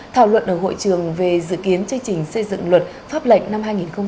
thảo luận ở hội trường về dự kiến chương trình xây dựng luật pháp lệnh năm hai nghìn hai mươi